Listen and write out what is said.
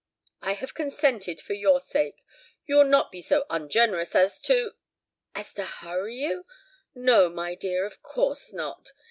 I have consented for your sake. You will not be so ungenerous as to " "As to hurry you? No, my dear, of course not.